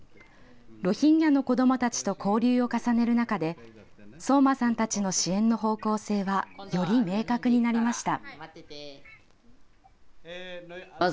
ロヒンギャの子どもたちと交流を重ねる中で聡真さんたちの支援の方向性はより明確になりました。